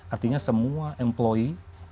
artinya semua employee